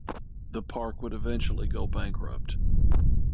The park would eventually go bankrupt.